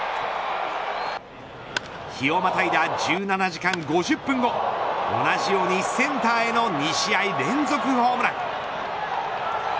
日をまたいだ１７時間５０分後同じようにセンターへの２試合連続ホームラン。